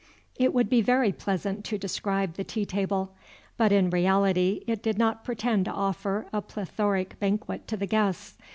It would be very pleasant to describe the tea table; but in reality, it did not pretend to offer a plethoric banquet to the guests.